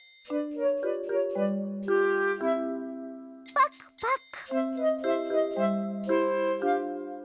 パクパク！